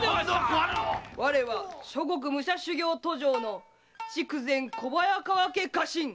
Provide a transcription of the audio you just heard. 我は諸国武者修行途上の筑前小早川家家臣岩見重太郎！